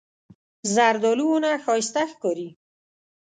زردالو ونه ښایسته ښکاري.